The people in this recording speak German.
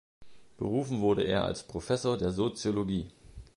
Berufen wurde er als Professor der Soziologie.